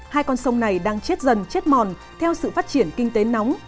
hai con sông này đang chết dần chết mòn theo sự phát triển kinh tế nóng